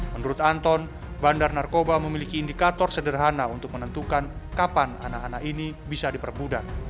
menurut anton bandar narkoba memiliki indikator sederhana untuk menentukan kapan anak anak ini bisa diperbudak